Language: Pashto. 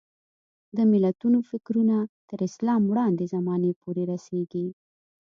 د متلونو فکرونه تر اسلام وړاندې زمانې پورې رسېږي